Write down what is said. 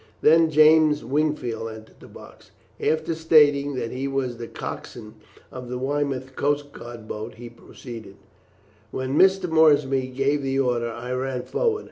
Then James Wingfield entered the box. After stating that he was the coxswain of the Weymouth coast guard boat he proceeded: "When Mr. Moorsby gave the order I ran forward.